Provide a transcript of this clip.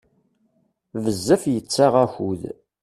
Bezzaf yettaɣ akud.